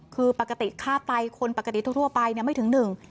คือปกติค่าไตคนปกติทั่วไปเนี่ยไม่ถึงหนึ่ง